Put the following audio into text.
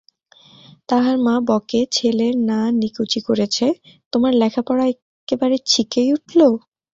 তাহার মা বকে-ছেলের না নিকুচি করেচে-তোমার লেখাপড়া একেবারে ছিকেয় উঠলো?